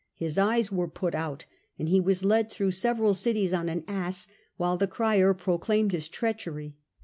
His eyes were put out and he was led through several cities on an ass, while the crier pro claimed his treachery.